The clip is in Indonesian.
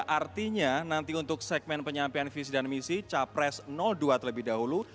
artinya nanti untuk segmen penyampaian visi dan misi capres dua terlebih dahulu